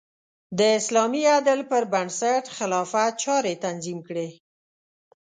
د اسلامي عدل پر بنسټ خلافت چارې تنظیم کړې.